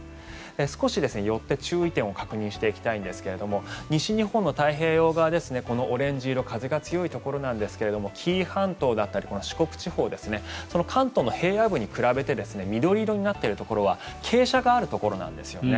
少し寄って、注意点を確認していきたいんですが西日本の太平洋側ですねこのオレンジ色風が強いところなんですが紀伊半島だったり四国地方関東の平野部に比べて緑色になっているところは傾斜があるところなんですよね。